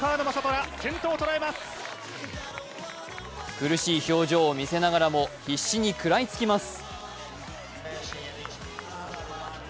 苦しい表情を見せながらも必死に食らいつきます。